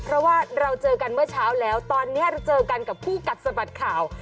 เพราะว่าเราเจอกันเมื่อเช้าแล้วตอนนี้เราเจอกันกับคู่กัดสะบัดข่าว